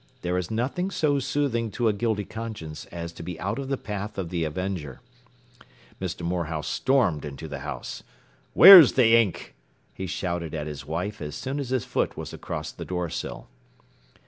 There is nothing so soothing to a guilty conscience as to be out of the path of the avenger. Mr. Morehouse stormed into the house. “Where's the ink?” he shouted at his wife as soon as his foot was across the doorsill.